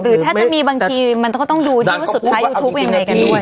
ถ้าจะมีบางทีมันก็ต้องดูที่ว่าสุดท้ายยูทูปยังไงกันด้วย